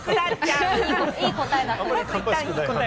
いい答え。